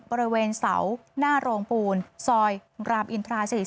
บริเวณเสาหน้าโรงปูนซอยรามอินทรา๔๔